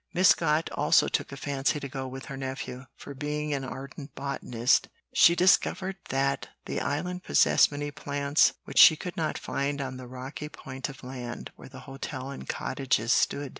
Miss Scott also took a fancy to go with her nephew; for, being an ardent botanist, she discovered that the Island possessed many plants which she could not find on the rocky point of land where the hotel and cottages stood.